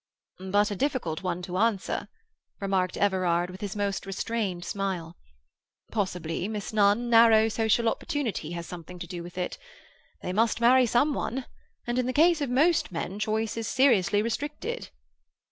"But a difficult one to answer," remarked Everard, with his most restrained smile. "Possibly, Miss Nunn, narrow social opportunity has something to do with it. They must marry some one, and in the case of most men choice is seriously restricted."